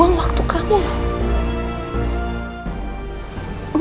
apa kau parameters